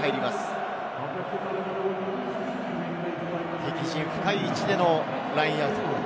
敵陣深い位置でのラインアウト。